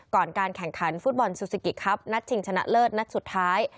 การแข่งขันฟุตบอลซูซิกิครับนัดชิงชนะเลิศนัดสุดท้าย